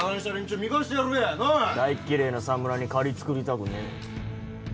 大っ嫌えな侍に借り作りたくねえ。